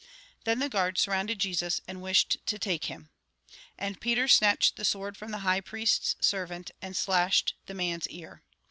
" Then the guard surrounded Jesus, and wished to take him. And Peter snatched the sword from the high priest's servant, and slashed the man's ear.